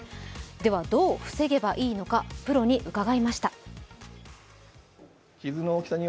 では、どう防げばいいのかプロに伺いました。